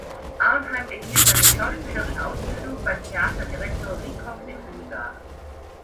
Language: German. Arnheim erhielt seine schauspielerische Ausbildung beim Theaterdirektor Rieckhoff in Riga.